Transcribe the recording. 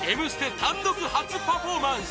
単独初パフォーマンス！